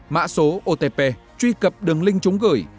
mã số otp truy cập đường linh chúng gửi